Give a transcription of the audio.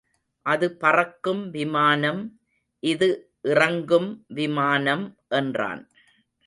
அது பறக்கும் விமானம் இது இறங்கும் விமானம் என்றான்.